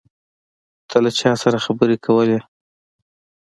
ته له چا سره خبرې کولې؟